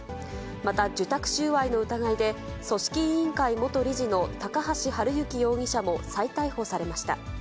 また、受託収賄の疑いで、組織委員会元理事の高橋治之容疑者も再逮捕されました。